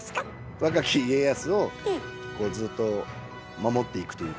若き家康をこうずっと守っていくというか。